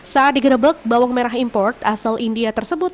saat digerebek bawang merah import asal india tersebut